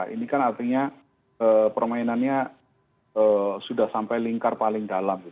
ini kan artinya permainannya sudah sampai lingkar paling dalam